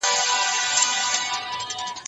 او نوى ټولنى رامنځ ته سوي دي،